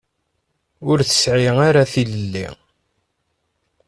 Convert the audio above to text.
Ur tesɛi ara tilelli.